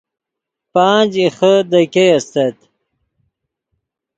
پانخ ایخے دے ګئے استت